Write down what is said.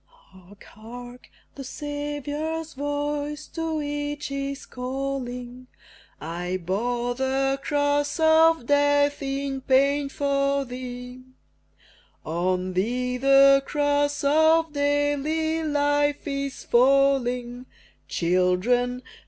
Hark! hark! the Saviour's voice to each is calling "I bore the Cross of Death in pain for thee; On thee the Cross of daily life is falling: Children!